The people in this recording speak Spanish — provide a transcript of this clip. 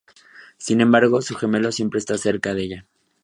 Sin embargo, su gemelo siempre está cerca de ella.